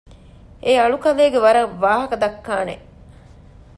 އެ އަޅުކަލޭގެ ވަރަށް ވާހަކަ ދައްކާނެ